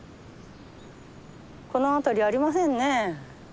この辺りありませんね。